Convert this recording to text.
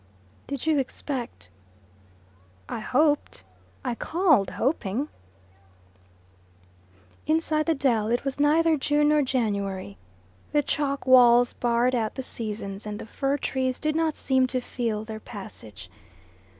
"Did you expect ?" "I hoped. I called hoping." Inside the dell it was neither June nor January. The chalk walls barred out the seasons, and the fir trees did not seem to feel their passage.